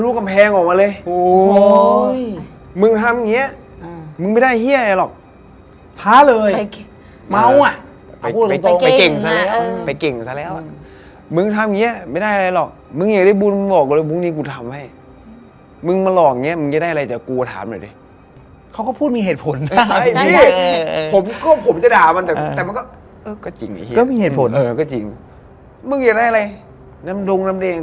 กะว่าอย่างนั้นพี่กะว่าจะอย่างนั้น